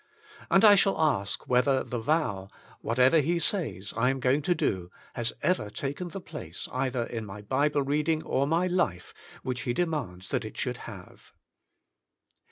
And I shall ask whether the vow, Whatever He Says I Am Going to Do^ has ever taken the place either in my Bible reading or my life which He demands that it should have.